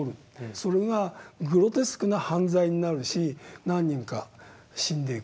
それがグロテスクな犯罪になるし何人か死んでいく。